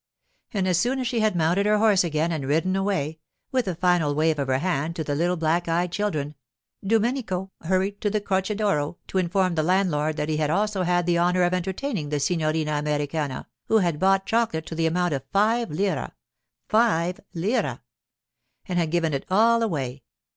And as soon as she had mounted her horse again and ridden away, with a final wave of her hand to the little black eyed children, Domenico hurried to the Croce d'Oro to inform the landlord that he also had had the honour of entertaining the signorina Americana, who had bought chocolate to the amount of five lire—five lire! And had given it all away!